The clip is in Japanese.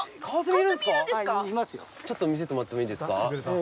ちょっと見せてもらってもいいですか？